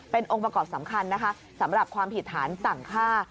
เป็นองค์ประกอบสำคัญนะคะสำหรับความผิดฐานสั่งฆ่า